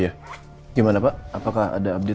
jadi sudah tentu daha mudah untuk menjadi ru